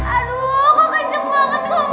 aduh kok kenceng banget ngomongnya